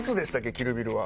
『キル・ビル』は。